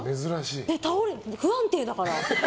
倒れちゃう、不安定だから。